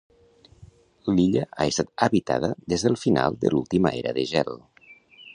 L'illa ha estat habitada des del final de l'última era de gel.